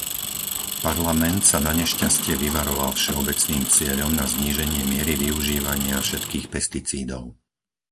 Parlament sa nanešťastie vyvaroval všeobecným cieľom na zníženie miery využívania všetkých pesticídov.